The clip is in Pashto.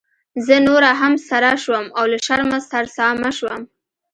زه نوره هم سره شوم او له شرمه سرسامه شوم.